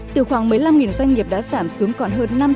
từ khoảng mấy lăm nghìn doanh nghiệp đã giảm xuống còn hơn năm triệu